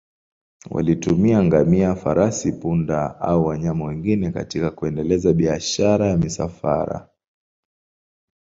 Walitumia ngamia, farasi, punda au wanyama wengine katika kuendeleza biashara ya misafara.